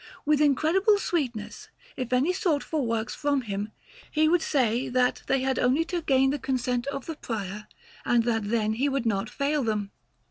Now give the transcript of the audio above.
With incredible sweetness, if any sought for works from him, he would say that they had only to gain the consent of the Prior, and that then he would not fail them.